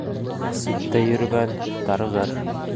Ситтә йөрөгән тарығыр